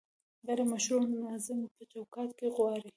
غیر مشروع نظام په چوکاټ کې غواړي؟